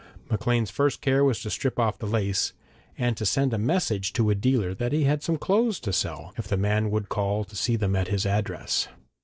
Maclean's first care was to strip off the lace, and to send a message to a dealer that he had some clothes to sell, if the man would call to see them at his address.